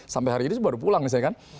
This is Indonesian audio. sampai hari ini baru pulang nih saya kan